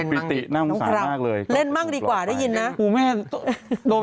ต้องมีแต่คนในโซเชียลว่าถ้ามีข่าวแบบนี้บ่อยทำไมถึงเชื่อขนาดใด